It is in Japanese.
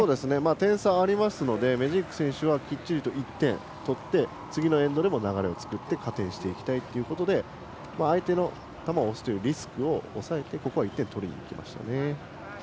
点差がありますのでメジーク選手はきっちり１点取って次のエンドでも流れを作って加点していきたいということで相手の球を押すというリスクを抑えてここは１点取りにいきましたね。